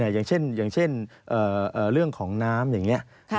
อย่างเช่นเรื่องของน้ำอย่างนี้